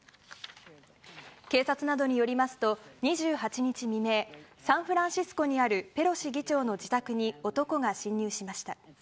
警察などによりますと、２８日未明、サンフランシスコにあるペロシ議長の自宅に男が侵入しました。